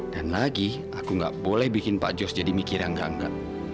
dan lagi aku nggak boleh bikin pak jos jadi mikir yang gangga